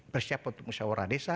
bersiap untuk musyawarah desa